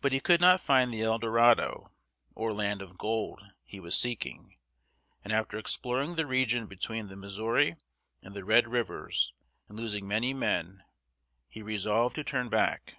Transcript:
But he could not find the El Do ra´do, or "Land of Gold," he was seeking, and after exploring the region between the Missouri and the Red rivers, and losing many men, he resolved to turn back.